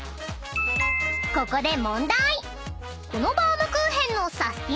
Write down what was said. ［ここで問題］